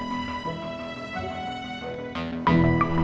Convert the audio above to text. sebaiknya dari apa